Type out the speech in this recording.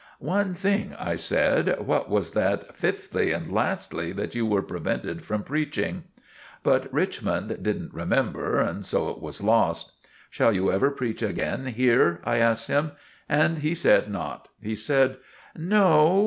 "One thing," I said. "What was that 'fifthly and lastly' that you were prevented from preaching?" But Richmond didn't remember; so it was lost. "Shall you ever preach again here?" I asked him. And he said not. He said— "No.